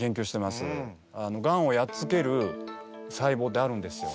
ガンをやっつける細胞ってあるんですよ。